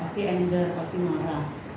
pasti anger pasti marah